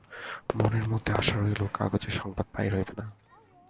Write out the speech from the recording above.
মনের মধ্যে আশা রহিল, কাগজে সংবাদ বাহির হইবে না।